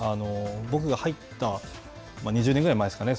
僕が入った２０年前ぐらいですかね。